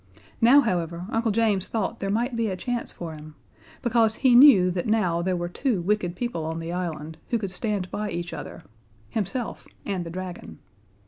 Now, however, Uncle James thought there might be a chance for him because he knew that now there were two wicked people on the island who could stand by each other himself and the dragon.